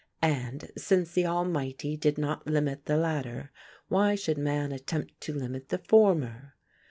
And, since the Almighty did not limit the latter, why should man attempt to limit the former?